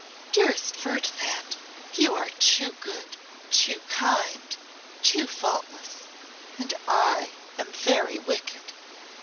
'Dearest Ferdinand, you are too good, too kind, too faultless, and I am very wicked.